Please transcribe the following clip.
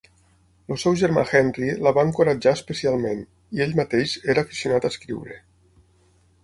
El seu germà Henry la va encoratjar especialment, i ell mateix era aficionat a escriure.